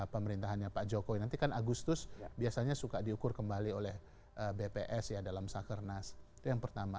pemerintahannya pak jokowi nanti kan agustus biasanya suka diukur kembali oleh bps ya dalam sakernas itu yang pertama